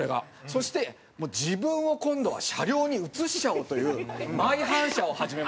そして自分を今度は車両に映しちゃおうというマイ反射を始めまして。